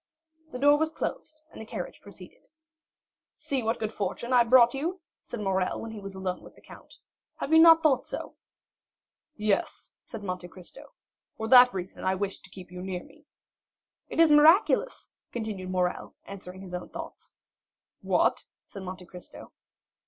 The door was closed, and the carriage proceeded. "See what good fortune I brought you!" said Morrel, when he was alone with the count. "Have you not thought so?" "Yes," said Monte Cristo; "for that reason I wished to keep you near me." "It is miraculous!" continued Morrel, answering his own thoughts. "What?" said Monte Cristo.